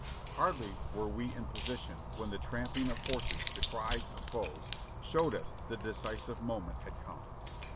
Hardly were we in position when the tramping of horses, the cries of foes, showed us the decisive moment had come.